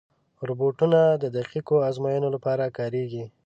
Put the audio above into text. روبوټونه د دقیقو ازموینو لپاره کارېږي.